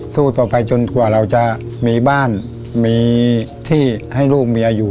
สู้ต่อไปจนกว่าเราจะมีบ้านมีที่ให้ลูกเมียอยู่